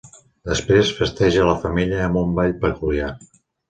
Després festeja la femella amb un ball peculiar.